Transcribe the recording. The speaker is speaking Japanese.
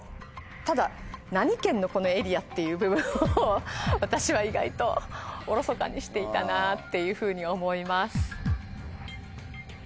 ただ何県のエリアっていう部分を私は意外とおろそかにしていたなっていうふうに思います。